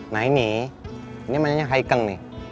nah ini ini namanya haikeng nih